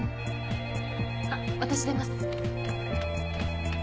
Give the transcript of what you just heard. ☎あっ私出ます。